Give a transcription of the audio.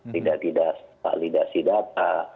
tidak tidak validasi data